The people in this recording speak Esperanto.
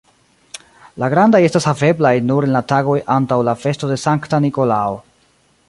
La grandaj estas haveblaj nur en la tagoj antaŭ la festo de Sankta Nikolao.